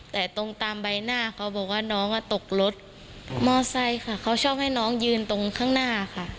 แต่ตรงตามใบหน้าเขาบอกว่าน้องอ่ะตกรถมอไซค์ค่ะเขาชอบให้น้องยืนตรงข้างหน้าค่ะ